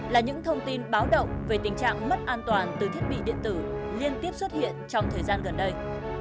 là những thông tin báo động về tình trạng mất an toàn từ thiết bị điện tử liên tiếp xuất hiện trong thời gian gần đây